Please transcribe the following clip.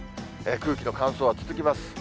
空気の乾燥が続きます。